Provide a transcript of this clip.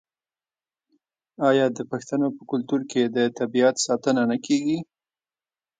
آیا د پښتنو په کلتور کې د طبیعت ساتنه نه کیږي؟